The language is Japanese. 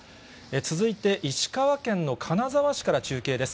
続いて石川県の金沢市から中継です。